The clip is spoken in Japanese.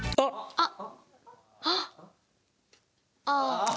あっ。